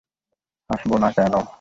আসবো না কেন?